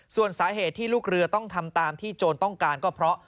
ส่วนสาเหตุที่ลูกเรือต้องทำตามที่โจรต้องการก็เพราะ